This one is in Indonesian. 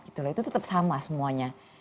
itu tetap sama semuanya